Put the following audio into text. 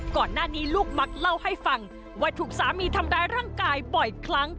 ก่อนหน้านี้ลูกมักเล่าให้ฟังว่าถูกสามีทำร้ายร่างกายบ่อยครั้ง